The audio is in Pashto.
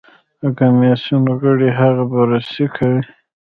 د کمېسیون غړي هغه بررسي کوي.